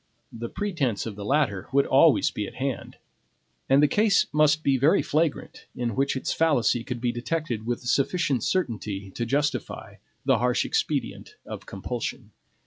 The pretense of the latter would always be at hand. And the case must be very flagrant in which its fallacy could be detected with sufficient certainty to justify the harsh expedient of compulsion.